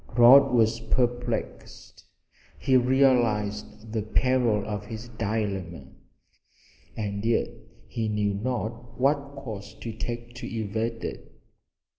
Rod was perplexed. He realized the peril of his dilemma, and yet he knew not what course to take to evade it.